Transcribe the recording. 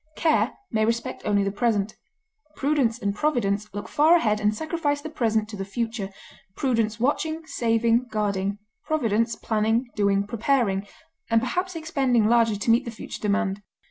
Care may respect only the present; prudence and providence look far ahead and sacrifice the present to the future, prudence watching, saving, guarding, providence planning, doing, preparing, and perhaps expending largely to meet the future demand.